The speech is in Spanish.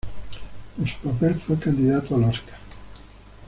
Por su papel fue candidato al Óscar.